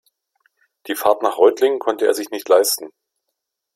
Die Fahrt nach Reutlingen konnte er sich nicht leisten